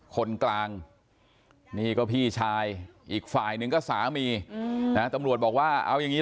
คนกลางนี่ก็พี่ชายอีกฝ่ายหนึ่งก็สามีนะตำรวจบอกว่าเอาอย่างนี้